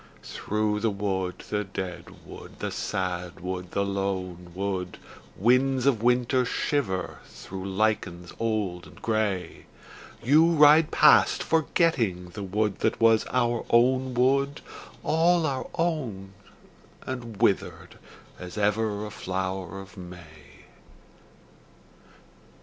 Through the wood, the dead wood, the sad wood, the lone wood, Winds of winter shiver through lichens old and grey, You ride past forgetting the wood that was our own wood, All our own and withered as ever a flower of May.